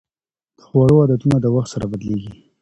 د خوړو عادتونه د وخت سره بدلېږي.